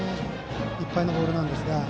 いっぱいのボールなんですが。